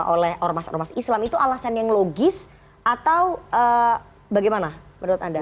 oleh ormas ormas islam itu alasan yang logis atau bagaimana menurut anda